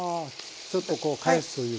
ちょっとこう返すというか。